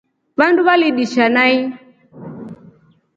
Vandu validisha nai.